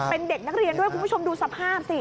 เป็นเด็กนักเรียนด้วยคุณผู้ชมดูสภาพสิ